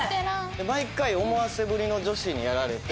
毎回思わせぶりの女子にやられて。